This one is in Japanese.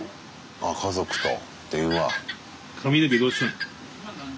あ家族と電話。